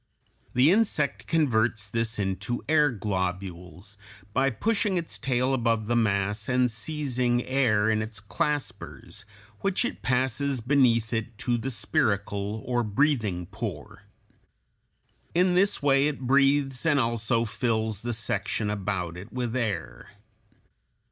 The insect converts this into air globules by pushing its tail above the mass (a) and seizing air in its claspers, which it passes beneath it to the spiracle or breathing pore. In this way it breathes and also fills the section about it with air.